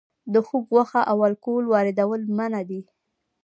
د خوګ غوښه او الکول واردول منع دي؟